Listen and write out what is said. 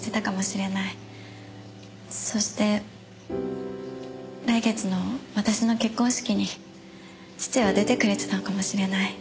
そして来月の私の結婚式に父は出てくれてたのかもしれない。